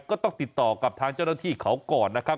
ก็ต้องติดต่อกับทางเจ้าหน้าที่เขาก่อนนะครับ